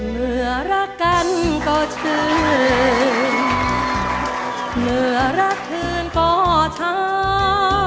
เมื่อรักกันก็เชิญเมื่อรักเธอนก็ช้ำ